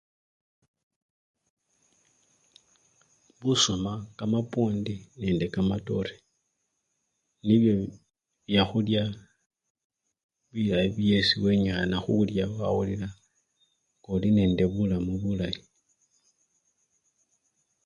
Busuma, kamapwondi nende kamatore nibyo byahulya bilayi byesi wenyihana hulya wawulila nga olinende bulamu bulayi